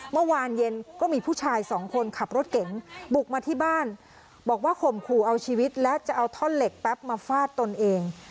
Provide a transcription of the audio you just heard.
เมื่อวานเย็นก็มีผู้ชายสองคนขับรถเก๋งบุกมาที่บ้านบอกว่าข่มขู่เอาชีวิตและจะเอาท่อนเหล็กแป๊บมาฟาดตนเอง